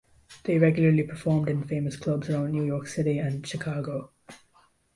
They regularly performed in famous clubs around New York City and Chicago.